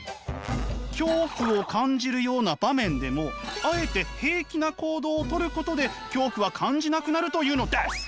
恐怖を感じるような場面でもあえて平気な行動をとることで恐怖は感じなくなるというのです！